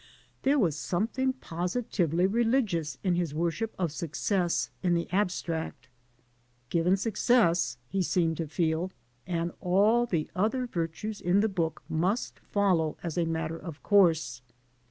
There was something positively religious in his worship of success in the abstract.^ Given success, he seemed to feel, and all the other virtues in the book must follow as a matter of course.